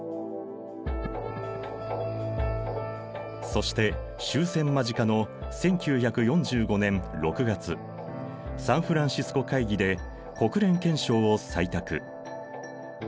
そして終戦間近の１９４５年６月サンフランシスコ会議で国連憲章を採択。